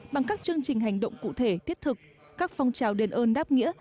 bằng các chương trình hành động cụ thể thiết thực các phong trào đền ơn đáp nghĩa